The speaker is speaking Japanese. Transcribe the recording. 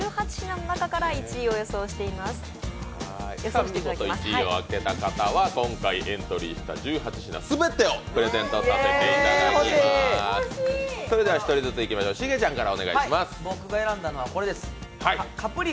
見事１位を当てた方は今回エントリーした全ての商品をプレゼントさせていただきます。